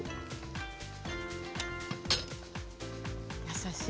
優しい。